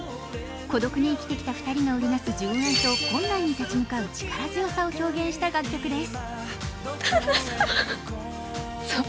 孤独に生きてきた２人が織りなす純愛と、困難に立ち向かう力強さを表現した楽曲です。